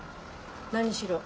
何しろ